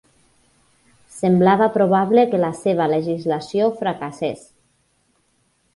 Semblava probable que la seva legislació fracassés.